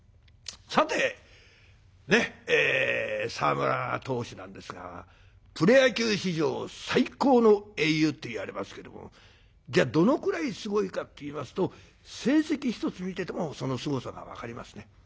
さて沢村投手なんですがプロ野球史上最高の英雄っていわれますけどもじゃあどのくらいすごいかっていいますと成績一つ見ててもそのすごさが分かりますね。